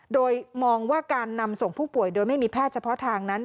โดยมองว่าการนำส่งผู้ป่วยโดยไม่มีแพทย์เฉพาะทางนั้น